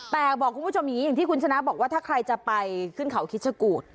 แต่บอกคุณผู้ชมอย่างที่คุณชนะบอกว่าถ้าใครจะไปขึ้นเข่าคิจกุฎ